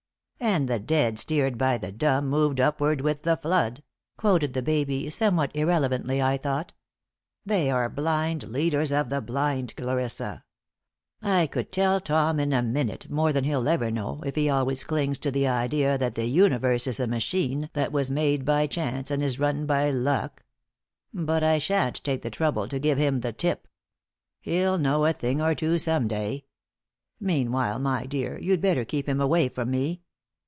"'And the dead, steered by the dumb, moved upward with the flood,'" quoted the baby, somewhat irrelevantly, I thought. "They are blind leaders of the blind, Clarissa. I could tell Tom in a minute more than he'll ever know if he always clings to the idea that the universe is a machine that was made by chance and is run by luck. But I sha'n't take the trouble to give him the tip. He'll know a thing or two some day. Meanwhile, my dear, you'd better keep him away from me.